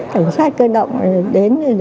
cảnh sát cơ động đến